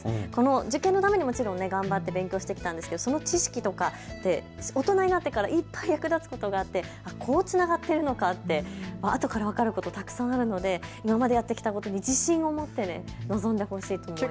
受験のためにもちろん頑張って勉強してきたんですがその知識とかって、大人になってからいっぱい役立つことがあってこうつながっているのかって、あとから分かることたくさんあるので今までやってきたことに自信を持って臨んでほしいと思います。